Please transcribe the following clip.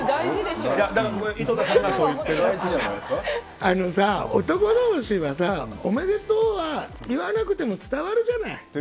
井戸田さんがあのさ、男同士はおめでとうは言わなくても伝わるじゃない。